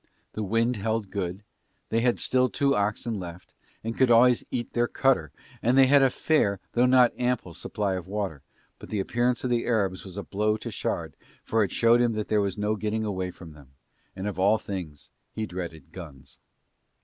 The wind held good, they had still two oxen left and could always eat their "cutter", and they had a fair, though not ample, supply of water, but the appearance of the Arabs was a blow to Shard for it showed him that there was no getting away from them, and of all things he dreaded guns.